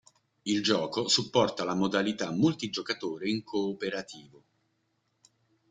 Il gioco supporta la modalità multigiocatore in cooperativo.